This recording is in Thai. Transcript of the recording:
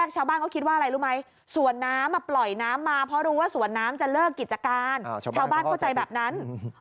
ชาวบ้านเข้าใจแบบนั้น